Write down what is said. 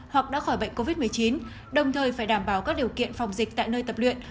hoặc đã khỏi bệnh covid một mươi chín đồng thời phải đảm bảo các điều kiện phòng dịch tại nơi tập luyện